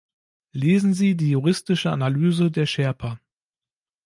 Lesen Sie die juristische Analyse der Sherpa.